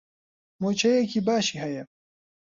مووچەیەکی باشی هەیە.